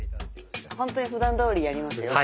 本当にふだんどおりやりますよ。